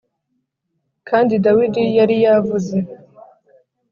Kandi Dawidi yari yavuze